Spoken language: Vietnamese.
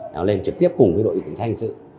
nó lên trực tiếp cùng với đội tỉnh thanh sự